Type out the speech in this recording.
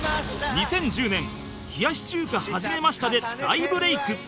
２０１０年『冷やし中華はじめました』で大ブレイク